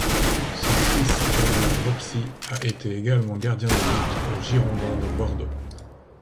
Son fils, Damien Dropsy, a été également gardien de but aux Girondins de Bordeaux.